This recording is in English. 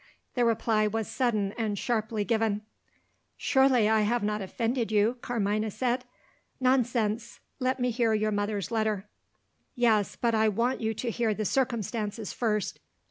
The reply was suddenly and sharply given. "Surely, I have not offended you?" Carmina said. "Nonsense! Let me hear your mother's letter." "Yes but I want you to hear the circumstances first."